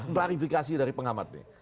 klarifikasi dari pengamat nih